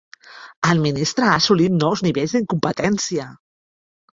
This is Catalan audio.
El ministre ha assolit nous nivells d'incompetència.